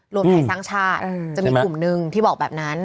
รวมไทยสร้างชาติจะมีกลุ่มหนึ่งที่บอกแบบนั้น